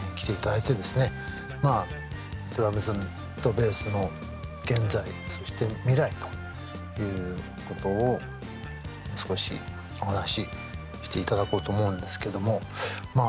ドラムズとベースの現在そして未来ということを少しお話しして頂こうと思うんですけども。